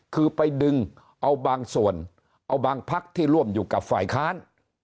คือไปดึงเอาบางส่วนเอาบางพักที่ร่วมอยู่กับฝ่ายค้าน